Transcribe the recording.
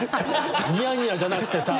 ニヤニヤじゃなくてさ。